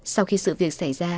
sau khi sự việc xảy ra